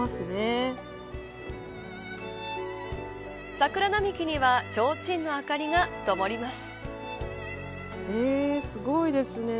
桜並木にはちょうちんの明かりがともります。